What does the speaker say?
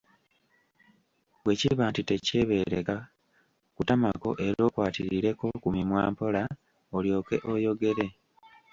Bwekiba nti tekyebeereka kutamako era okwatirireko ku mimwa mpola, olyoke oyogere.